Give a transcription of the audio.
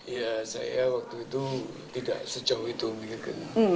ya saya waktu itu tidak sejauh itu begitu